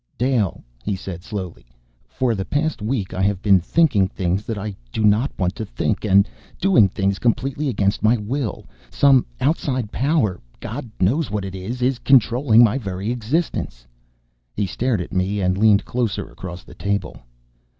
"Dale," he said slowly, "for the past week I have been thinking things that I do not want to think and doing things completely against my will. Some outside power God knows what it is is controlling my very existence." He stared at me, and leaned closer across the table.